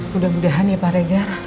mudah mudahan ya pak regar